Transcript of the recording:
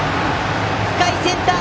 深いセンター。